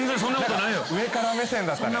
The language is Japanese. なんか上から目線だったね。